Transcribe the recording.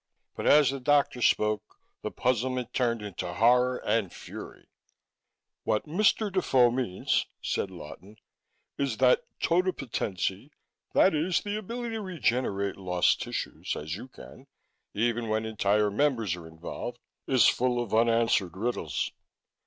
But as the doctor spoke, the puzzlement turned into horror and fury. "What Mr. Defoe means," said Lawton, "is that totipotency that is, the ability to regenerate lost tissues, as you can, even when entire members are involved is full of unanswered riddles.